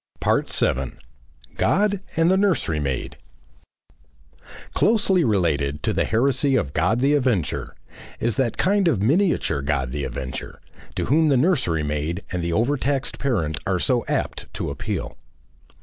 7. GOD AND THE NURSERY MAID Closely related to the Heresy of God the Avenger, is that kind of miniature God the Avenger, to whom the nursery maid and the overtaxed parent are so apt to appeal.